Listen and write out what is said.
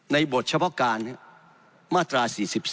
บทเฉพาะการมาตรา๔๔